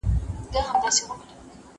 ټولنیزې اړیکې پر باور ولاړې دي.